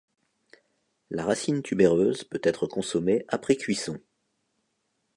La racine tubéreuse peut être consommée après cuisson.